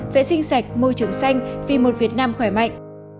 vệ sinh sạch môi trường xanh vì một việt nam khỏe mạnh